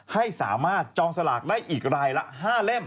ให้สามารถจองสลากได้อีกรายละ๕เล่ม